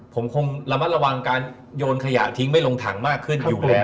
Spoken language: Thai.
ผมคงระมัดระวังการโยนขยะทิ้งไม่ลงถังมากขึ้นอยู่แล้ว